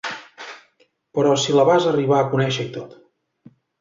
Però si la vas arribar a conèixer i tot.